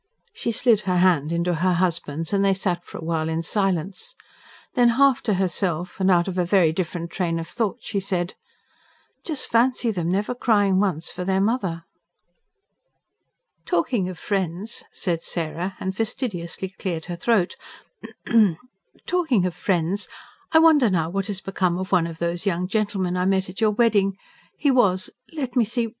She slid her hand into her husband's and they sat for a while in silence. Then, half to herself, and out of a very different train of thought she said: "Just fancy them never crying once for their mother." "Talking of friends," said Sarah, and fastidiously cleared her throat. "Talking of friends, I wonder now what has become of one of those young gentlemen I met at your wedding. He was ... let me see